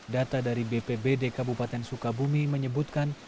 data dari bpbd kabupaten sukabumi menyebutkan